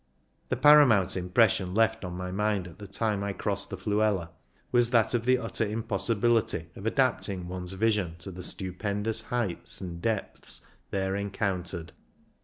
The paramount impression left on my mind at the time I crossed the Fluela was that of the utter impossibility of adapting one's vision to the stupendous heights and depths there encountered.